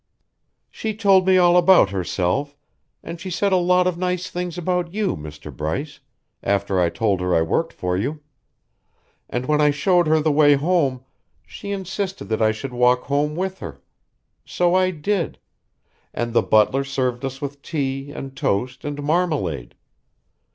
"She told me all about herself and she said a lot of nice things about you, Mr. Bryce, after I told her I worked for you. And when I showed her the way home, she insisted that I should walk home with her. So I did and the butler served us with tea and toast and marmalade.